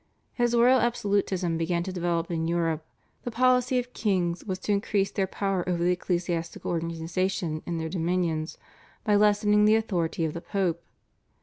As royal absolutism began to develop in Europe the policy of kings was to increase their power over the ecclesiastical organisation in their dominions by lessening the authority of the Pope.